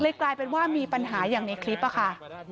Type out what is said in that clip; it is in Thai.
กลายเป็นว่ามีปัญหาอย่างในคลิปค่ะ